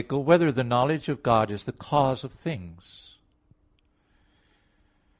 8] Whether the Knowledge of God Is the Cause of Things?